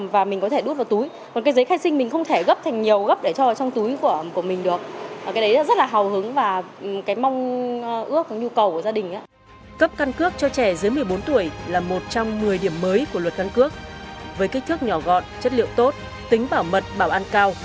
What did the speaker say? với kích thước nhỏ gọn chất liệu tốt tính bảo mật bảo an cao